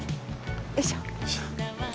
よいしょ。